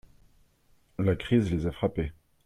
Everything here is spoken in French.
La crise les a frappés.